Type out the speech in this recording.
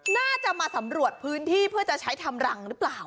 น่าจะมาสำรวจพื้นที่เพื่อจะใช้ทำรังหรือเปล่า